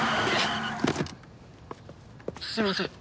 すいません！